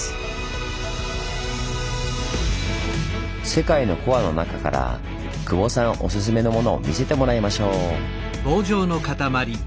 世界のコアの中から久保さんオススメのものを見せてもらいましょう！